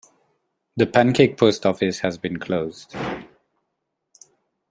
The Pancake Post Office has been closed.